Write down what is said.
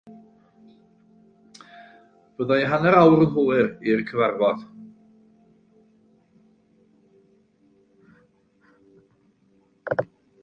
Bydda i hanner awr yn hwyr i'r cyfarfod.